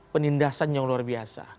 penindasan yang luar biasa